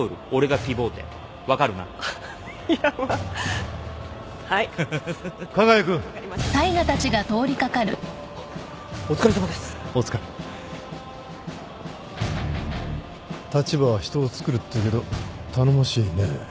立場は人をつくるっていうけど頼もしいねぇ山谷コンビ。